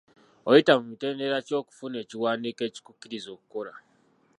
Oyita mu mitendera ki okufuna ekiwandiiko ekikukkiriza okukola?